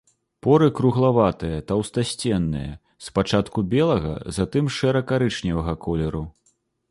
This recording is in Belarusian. Поры круглаватыя, таўстасценныя, спачатку белага, затым шэра-карычневага колеру.